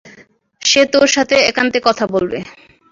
সে তোর সাথে একান্তে কথা বলবে।